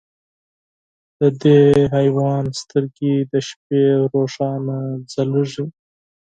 د دې حیوان سترګې د شپې روښانه ځلېږي.